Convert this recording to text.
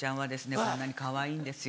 こんなにかわいいんですよ